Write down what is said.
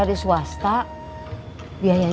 kalau pas mia bisa alle hati